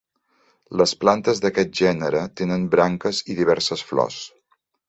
Les plantes d'aquest gènere tenen branques i diverses flors.